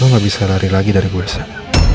lo gak bisa lari lagi dari gue sen